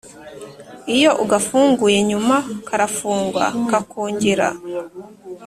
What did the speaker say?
Iyo ugafunguye Nyuma karafungwa kakongera